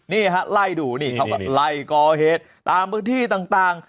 นี่ฮะไล่ดูนี่เขาก็ไล่ก่อเหตุตามพื้นที่ต่าง